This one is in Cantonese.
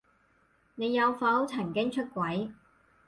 你有否曾經出軌？